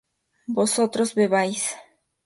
vosotros bebíais